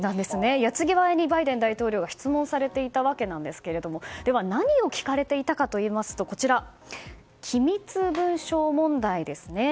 矢継ぎ早にバイデン大統領が質問されていたわけですがでは、何を聞かれていたかといいますと機密文書問題ですね。